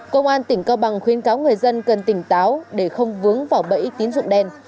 công an tỉnh cao bằng khuyên cáo người dân cần tỉnh táo để không vướng vào bẫy tín dụng đen